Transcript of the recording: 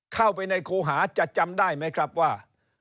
เข้าไปในครูหาจะจำได้ไหมครับว่า